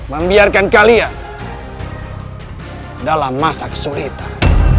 membiarkan kalian dalam masa kesulitan